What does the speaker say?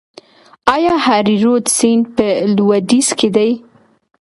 آیا هریرود سیند په لویدیځ کې دی؟